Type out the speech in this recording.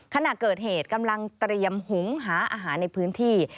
ขณะเกิดเหตุกำลังเตรียมหุงหาอาหารในพื้นที่